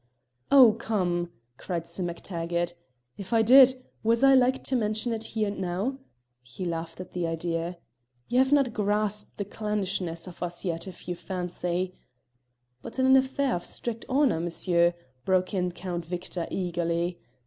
"Oh, come!" cried Sim MacTaggart; "if I did, was I like to mention it here and now?" He laughed at the idea. "You have not grasped the clannishness of us yet if you fancy " "But in an affair of strict honour, monsieur," broke in Count Victor eagerly.